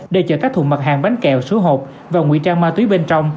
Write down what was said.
để chở các thùng mặt hàng bánh kẹo số hộp và nguy trang ma túy bên trong